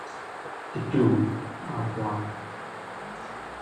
The two are one.